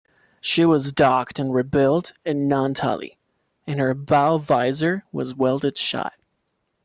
She was docked and rebuilt in Naantali and her bow visor was welded shut.